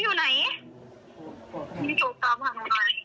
หนูต้องหาอะไร